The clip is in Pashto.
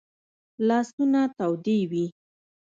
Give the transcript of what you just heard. لاسونه تودې وي